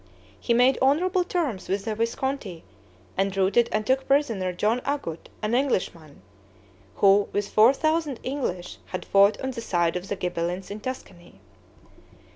He made honorable terms with the Visconti, and routed and took prisoner, John Agut, an Englishman, who with four thousand English had fought on the side of the Ghibellines in Tuscany.